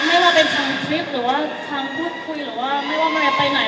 ไม่ว่าเป็นทางคลิปหรือว่าทางพูดคุยหรือว่าไม่ว่าแมวไปไหน